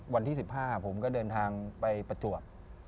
วันที่๑๕ผมก็เดินทางไปประจวบ